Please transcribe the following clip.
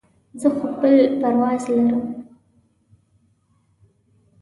زه خو بل پرواز لرم.